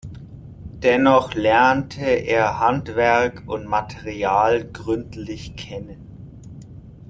Dennoch lernte er Handwerk und Material gründlich kennen.